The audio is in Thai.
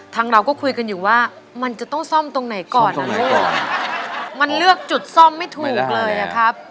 เราก็คุยกันอยู่ว่ามันจะต้องซ่อมตรงไหนก่อนนะลูกมันเลือกจุดซ่อมไม่ถูกเลยอะครับ